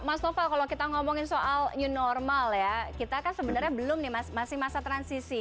mas novel kalau kita ngomongin soal new normal ya kita kan sebenarnya belum nih masih masa transisi